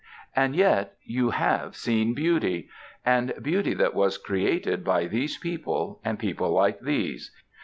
And yet you have seen beauty. And beauty that was created by these people and people like these....